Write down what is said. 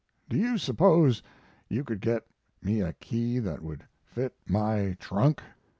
Do you suppose you could get me a key that would fit my trunk?'